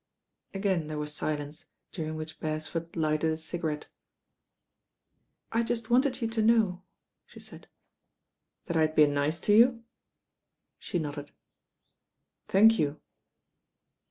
Again there was silence, during which Beresford lighted a cigarette. "I just wanted you to know," she said. "That I had been nice to you?" She nodded. "Thank you."